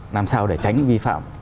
làm sao để tránh vi phạm